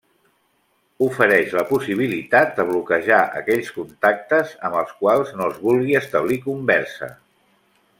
Ofereix la possibilitat de bloquejar aquells contactes amb els quals no es vulgui establir conversa.